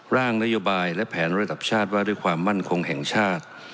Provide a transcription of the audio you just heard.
ร่างนโยบายและแผนระดับชาติว่าด้วยความมั่นคงแห่งชาติ